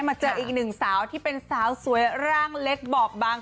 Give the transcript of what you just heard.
เจออีกหนึ่งสาวที่เป็นสาวสวยร่างเล็กบอบบาง